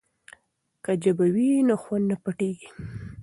که ژبه وي نو خوند نه پټیږي.